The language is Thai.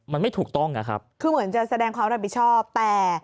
มันไม่ถูกต้องอะครับคือเหมือนจะแสดงความรับผิดชอบแต่